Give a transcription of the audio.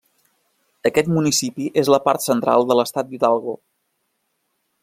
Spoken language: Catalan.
Aquest municipi és a la part central de l'estat d'Hidalgo.